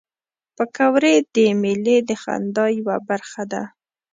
پکورې د میلې د خندا یوه برخه ده